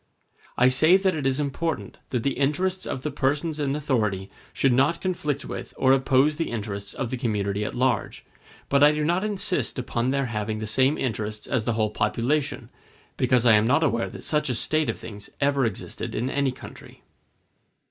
I say that it is important that the interests of the persons in authority should not conflict with or oppose the interests of the community at large; but I do not insist upon their having the same interests as the whole population, because I am not aware that such a state of things ever existed in any country.